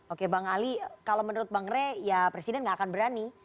oke bang ali kalau menurut bang rey ya presiden nggak akan berani